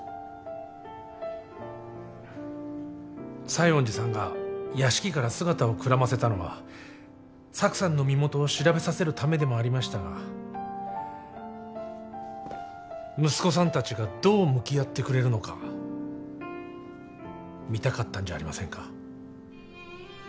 西園寺さんが屋敷から姿をくらませたのはサクさんの身元を調べさせるためでもありましたが息子さんたちがどう向き合ってくれるのか見たかったんじゃありませんか？